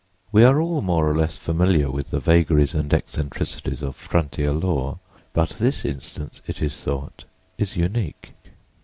We are all more or less familiar with the vagaries and eccentricities of frontier law, but this instance, it is thought, is unique.